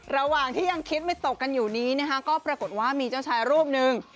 ระหว่างที่ยังคิดไม่ตกกันอยู่นี้นะคะก็ปรากฏว่ามีเจ้าชายรูปหนึ่ง